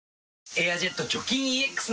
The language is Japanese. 「エアジェット除菌ＥＸ」